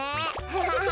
アハハハ。